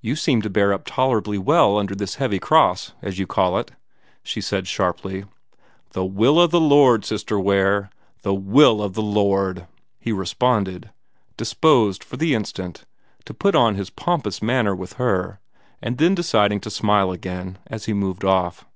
"You seem to bear up tolerably well under this heavy cross, as you call it," she said sharply. "The will o' the Lord, Sister Ware the will o' the Lord!" he responded, disposed for the instant to put on his pompous manner with her, and then deciding to smile again as he moved off.